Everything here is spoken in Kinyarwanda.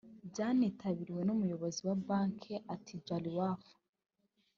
byanitabiriwe n’Umuyobozi wa Banki Attijariwafa